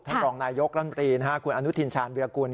ฯักรองนายกรัฐมนตรีนะฮะคุณอนุทิณชาญวิรากุลก็